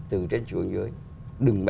từ trên trường dưới đừng